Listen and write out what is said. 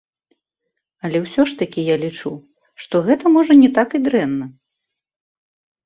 Але ўсё ж такі я лічу, што гэта можа не так і дрэнна.